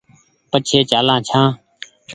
پڇي چآلان ڇآن